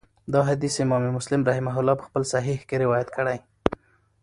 دا حديث امام مسلم رحمه الله په خپل صحيح کي روايت کړی